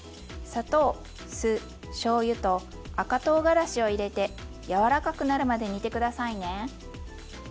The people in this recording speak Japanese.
砂糖酢しょうゆと赤とうがらしを入れて柔らかくなるまで煮て下さいね。